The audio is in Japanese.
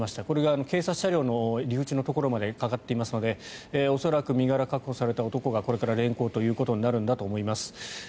これが警察車両の入り口のところまでかかっていますので恐らく身柄確保された男がこれから連行ということになると思います。